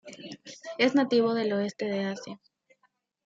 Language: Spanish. Es nativo del oeste de Asia.